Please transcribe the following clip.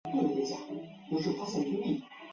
普拉杜是巴西巴伊亚州的一个市镇。